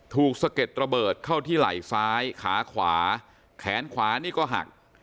สะเก็ดระเบิดเข้าที่ไหล่ซ้ายขาขวาแขนขวานี่ก็หัก